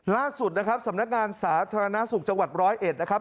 ล่าสุดนะครับสำนักงานสาธารณสุขจังหวัดร้อยเอ็ดนะครับ